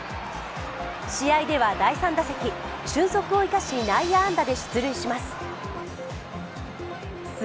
試合では第３打席、俊足を生かし、内や安打で出塁します。